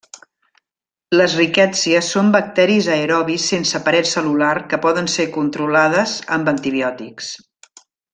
Les rickèttsies són bacteris aerobis sense paret cel·lular que poden ser controlades amb antibiòtics.